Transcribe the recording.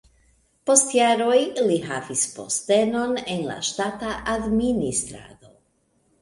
Post jaroj li havis postenon en la ŝtata administrado.